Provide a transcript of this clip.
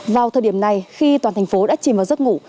vào thời điểm này khi toàn thành phố đã chìm vào giấc ngủ